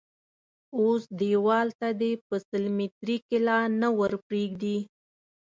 اول دېوال ته دې په سل ميتري کې لا نه ور پرېږدي.